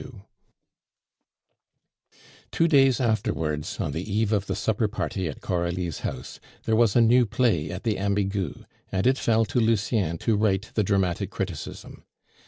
Two days afterwards, on the eve of the supper party at Coralie's house, there was a new play at the Ambigu, and it fell to Lucien to write the dramatic criticism.